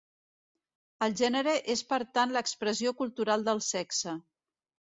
El gènere és per tant l'expressió cultural del sexe.